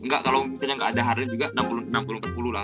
engga kalo misalnya ga ada hardern juga enam puluh empat puluh lah